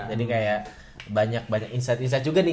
jadi kayak banyak banyak insight insight juga nih